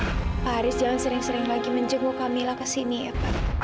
pak haris jangan sering sering lagi menjenguk kami lah kesini ya pak